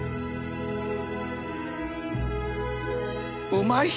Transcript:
うまい！